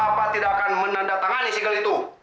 papa tidak akan menandatangani segel itu